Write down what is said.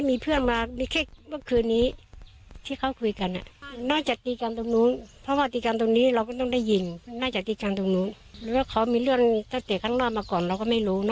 พ่อเพิ่งมาอยู่นี่ใหม่เราก็ไม่รู้มันก็เปรียบใจ